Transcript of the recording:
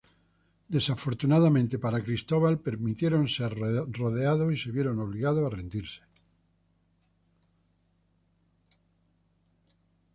Desafortunadamente para Cristóbal, permitieron ser rodeados y se vieron obligados a rendirse.